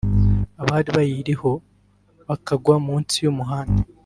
abari bayiriho bakagwa munsi y’umuhanda